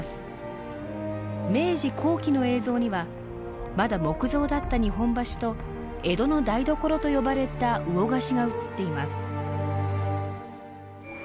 明治後期の映像にはまだ木造だった日本橋と江戸の台所と呼ばれた魚河岸が映っています。